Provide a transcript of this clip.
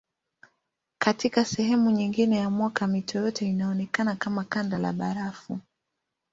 Katika sehemu nyingine ya mwaka mito yote inaonekana kama kanda la barafu.